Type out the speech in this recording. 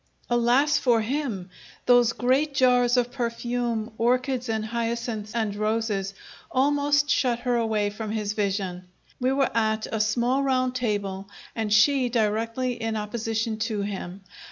Alas for him! Those great jars of perfume, orchids and hyacinths and roses, almost shut her away from his vision. We were at a small round table, and she directly in opposition to him.